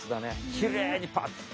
きれいにパッて。